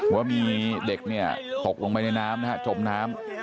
ว่ามีเด็กเนี่ยตกลงไปในน้ำนะฮะจมน้ำ